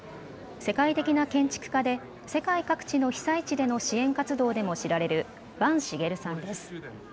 世界的な建築家で世界各地の被災地での支援活動でも知られる坂茂さんです。